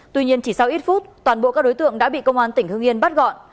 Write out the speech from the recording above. tuy nhiên chỉ sau ít phút toàn bộ các đối tượng đã bị công an tỉnh hưng yên bắt gọn